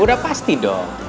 udah pasti dong